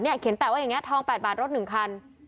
เนี่ยเขียนแปลว่าอย่างเนี่ยทอง๘บาทรถ๑คัน